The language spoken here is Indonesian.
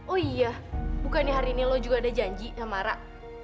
oh iya bukannya hari ini lo juga ada janji sama rak